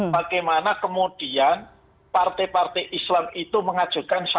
bagaimana kemudian partai partai islam itu mengajukan satu partai islam